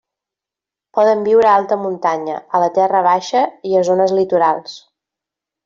Poden viure a l'alta muntanya, a la terra baixa i a zones litorals.